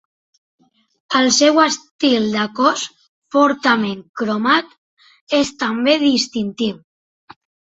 El seu estil de cos fortament cromat és també distintiu.